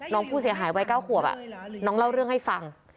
น้องผู้เสียหายวัย๙ขวบน้องเล่าเรื่องให้ฟัง